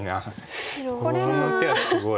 この手はすごい。